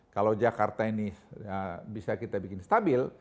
kalau jakarta ini bisa kita bikin stabil